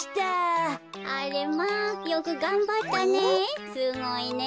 あれまあよくがんばったね。